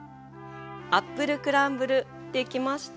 アップルクランブルできました。